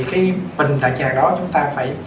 thì phình đại tràng đó chúng ta phải